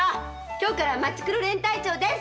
今日からマチクロ連隊長です！